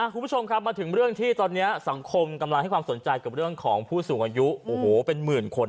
คุณผู้ชมมาถึงเรื่องที่ตอนนี้สังคมกำลังให้ความสนใจเกี่ยวกับเรื่องของหญอสีอย่างคอโอ้โหเป็นหมื่นคน